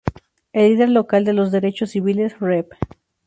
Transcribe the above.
El líder local de los derechos civiles, Rev.